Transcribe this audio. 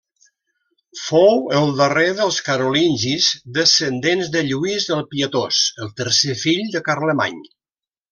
Fou el darrer dels carolingis descendents de Lluís el Pietós, el tercer fill de Carlemany.